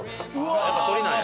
やっぱ鶏なんや。